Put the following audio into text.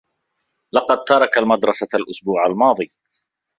لقد ترك المدرسة الأسبوع الماضي.